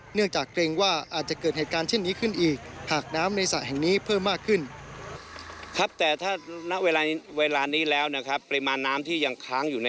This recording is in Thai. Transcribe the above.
เนื่องจากเกรงว่าอาจจะเกิดเหตุการณ์เช่นนี้ขึ้นอีก